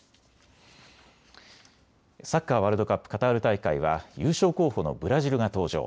サッカーワールドカップカタール大会は優勝候補のブラジルが登場。